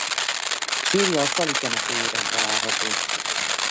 Sírja a falu temetőjében található.